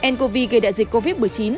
ncov gây đại dịch covid một mươi chín